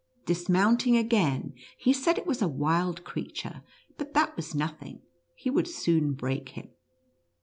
Dismounting again, he said it was a wild creature, but that was nothing ; he would soon break him.